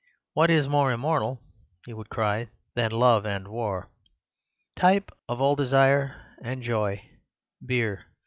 'What is more immortal,' he would cry, 'than love and war? Type of all desire and joy—beer.